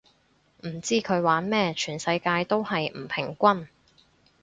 唔知佢玩乜，全世界都係唔平均